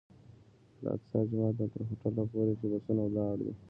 له اقصی جومات نه تر هوټل پورې چې بسونه ولاړ دي.